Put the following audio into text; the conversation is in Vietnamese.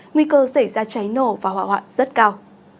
nguy cơ xảy ra cháy nổ và họa họa rất cao